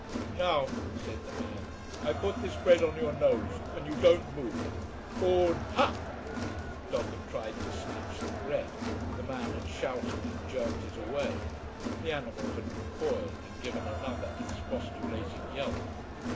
"Now," said the man, "I put this bread on your nose, and you don't move, un Ha!!" The dog had tried to snatch the bread, the man had shouted and jerked it away, the animal had recoiled and given another expostulating yelp.